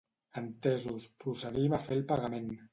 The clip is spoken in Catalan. Entesos, procedim a fer el pagament.